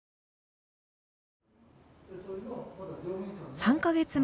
３か月前。